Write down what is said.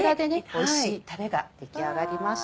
おいしいタレが出来上がりました。